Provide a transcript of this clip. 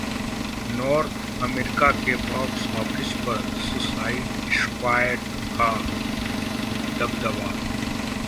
north America के box office पर 'suicide squad' का दबदबा